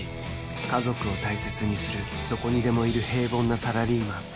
家族を大切にするどこにでもいる平凡なサラリーマン